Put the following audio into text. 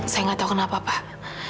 saya nggak tahu kenapa pak